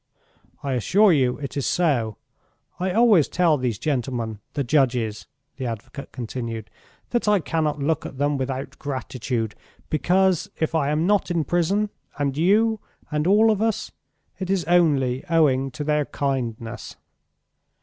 "I assure you it is so. I always tell these gentlemen, the judges," the advocate continued, "that I cannot look at them without gratitude, because if I am not in prison, and you, and all of us, it is only owing to their kindness.